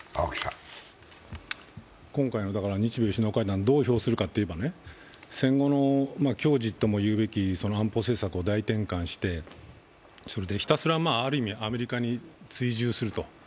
今回の日米首脳会談をどう評するかといえば戦後の矜持とも言われる安保政策を大転換してひたすらアメリカに追従すると。